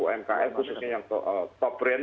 umkm khususnya yang top brand